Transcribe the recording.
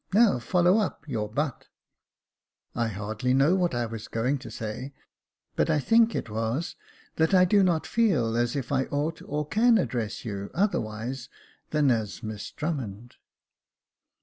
Now follow up your but" "I hardly know what I was going to say, but I think it was, that I do not feel as if I ought or can address you otherwise than as Miss Drummond."